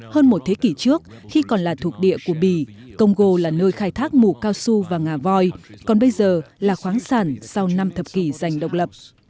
hơn một thế kỷ trước khi còn là thuộc địa của bỉ congo là nơi khai thác mù cao su và ngà voi còn bây giờ là khoáng sản sau năm thập kỷ dành độc lập